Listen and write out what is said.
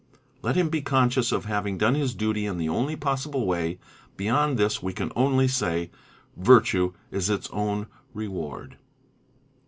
Let him be conscious of having done his duty in _ the only possible way. Beyond this we can only say, " Virtue is its own — reward."